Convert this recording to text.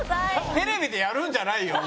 テレビでやるんじゃないよ！